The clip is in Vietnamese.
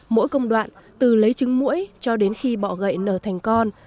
mỗi công đoạn từ lấy trứng mũi cho đến khi bọ gậy nở thành con